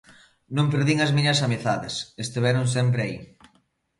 Non perdín as miñas amizades, estiveron sempre aí.